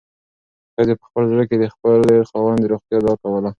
ښځې په خپل زړه کې د خپل خاوند د روغتیا دعا کوله.